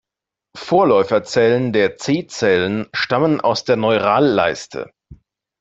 Vorläuferzellen der C-Zellen stammen aus der Neuralleiste.